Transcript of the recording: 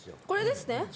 これですね。